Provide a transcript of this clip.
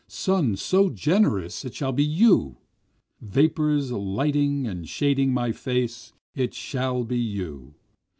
Sun so generous it shall be you! Vapors lighting and shading my face it shall be you!